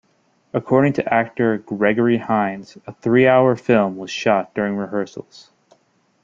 According to actor Gregory Hines, a three-hour film was shot during rehearsals.